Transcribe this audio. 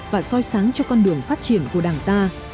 và soi sáng cho con đường phát triển của đảng ta